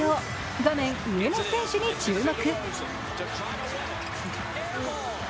画面上の選手に注目。